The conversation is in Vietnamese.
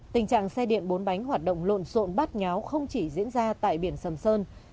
tình trạng xe điện bốn bánh hoạt động lộn xộn bát nháo không chỉ diễn ra tại biển sầm sơn